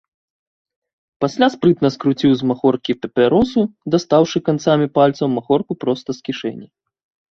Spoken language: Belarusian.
Пасля спрытна скруціў з махоркі папяросу, дастаўшы канцамі пальцаў махорку проста з кішэні.